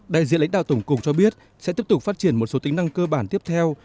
đại diện lãnh đạo tổng cục cho biết sẽ tiếp tục phát triển một số tính năng cơ bản tiếp theo